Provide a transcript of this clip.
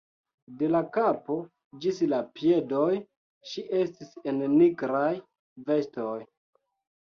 De la kapo ĝis la piedoj ŝi estis en nigraj vestoj.